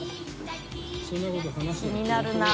気になるな。